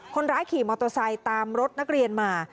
คนร้ายขี่มอเตอร์ไซค์ตามรถนักเรียนมา